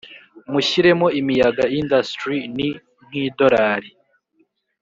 mushyire mo imiyaga industry ni nk’idolari